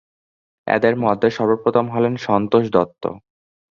এদের মধ্যে সর্বপ্রথম হলেন সন্তোষ দত্ত।